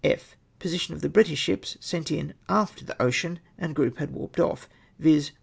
F. Position of the British ships sent in after the Ocean and group had warped off, viz.